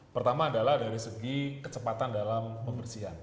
pertama adalah dari segi kecepatan dalam pembersihan